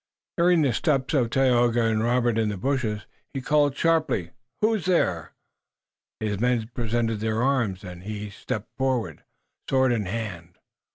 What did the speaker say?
Hearing the steps of Tayoga and Robert in the bushes, he called sharply: "Who's there?" His men presented their arms, and he stepped forward, sword in hand.